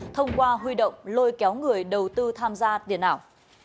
thông qua huy động lôi kéo người đầu tư tham gia tiền ảo